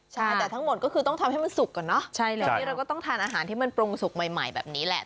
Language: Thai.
ใช่แต่ทั้งหมดก็คือต้องทำให้มันสุกก่อนเนอะตอนนี้เราก็ต้องทานอาหารที่มันปรุงสุกใหม่แบบนี้แหละ